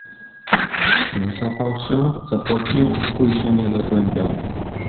Zasapał się, zapocił, chuj się nie zagłębiał